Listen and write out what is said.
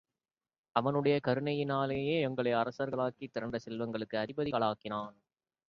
அவனுடைய கருணையினாலேயே, எங்களை அரசர்களாக்கித் திரண்ட செல்வங்களுக்கு அதிபதிகளாக்கினான்.